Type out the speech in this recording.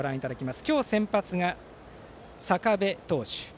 今日、先発が坂部投手。